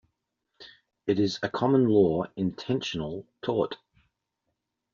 It is a common law intentional tort.